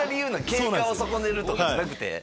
景観を損ねるとかじゃなくて？